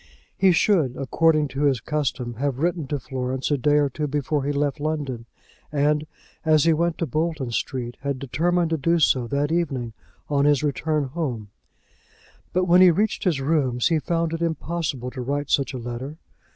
He should, according to his custom, have written to Florence a day or two before he left London, and, as he went to Bolton Street, had determined to do so that evening on his return home; but when he reached his rooms he found it impossible to write such a letter.